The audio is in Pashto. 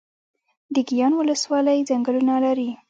د ګیان ولسوالۍ ځنګلونه لري